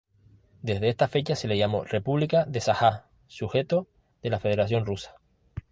Desde esta fecha se le llamó República de Sajá, sujeto de la Federación Rusa.